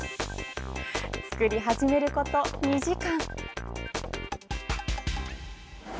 作り始めること２時間。